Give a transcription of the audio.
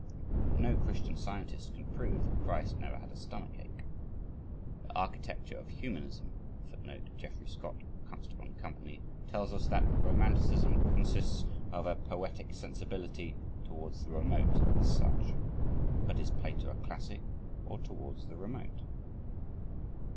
But no Christian Scientist can prove that Christ never had a stomach ache. The Architecture of Humanism [Footnote: Geoffrey Scott (Constable & Co.)] tells us that "romanticism consists of ... a poetic sensibility towards the remote, as such." But is Plato a classic or towards the remote?